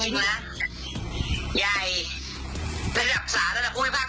สวัสดีครับทุกคน